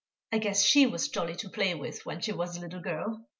I guess she was jolly to play with when she was a little girl.